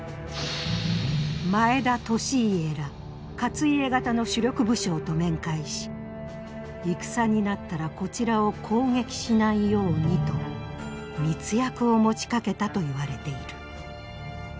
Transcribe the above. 前田利家ら勝家方の主力武将と面会し戦になったらこちらを攻撃しないようにと密約を持ちかけたといわれている。